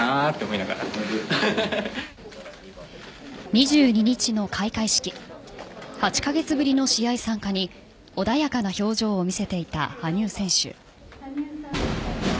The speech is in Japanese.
２２日の開会式８カ月ぶりの試合参加に穏やかな表情を見せていた羽生選手。